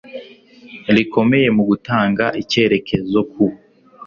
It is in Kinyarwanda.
rikomeye mu gutanga icyerekezo ku